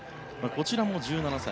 こちらも１７歳。